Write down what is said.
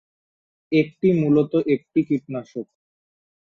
একটি মূলত একটি কীটনাশক।